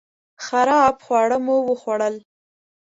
خراب خواړه مو وخوړل